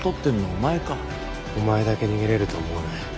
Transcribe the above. お前だけ逃げれると思うなよ。